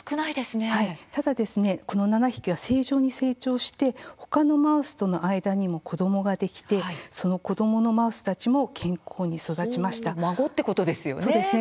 ただ、この７匹は正常に成長して他のマウスとの間にも子どもができてその子どものマウスたちも健康に育ちました。